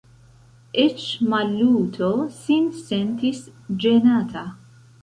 Eĉ Maluto sin sentis ĝenata.